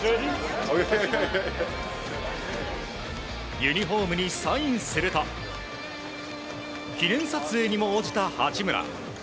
ユニホームにサインすると記念撮影にも応じた八村。